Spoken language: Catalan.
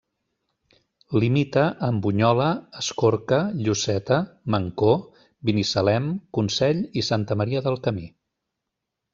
Limita amb Bunyola, Escorca, Lloseta, Mancor, Binissalem, Consell i Santa Maria del Camí.